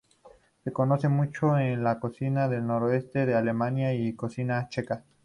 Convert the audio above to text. Se conoce mucho en la cocina del noreste de Alemania y la cocina checa.